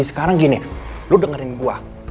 sekarang gini lu dengerin gue